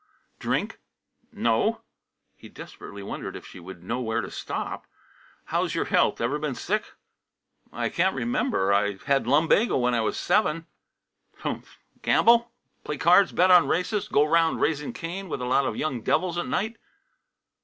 "Drink?" "No!" He desperately wondered if she would know where to stop. "How's your health? Ever been sick much?" "I can't remember. I had lumbago when I was seven." "Humph! Gamble, play cards, bet on races, go around raising cain with a lot of young devils at night?"